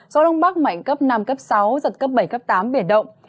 gió đông bắc mạnh cấp năm cấp sáu giật cấp bảy cấp tám biển động